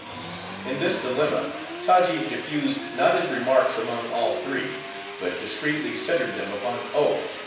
In this dilemma, Taji diffused not his remarks among all three; but discreetly centered them upon O.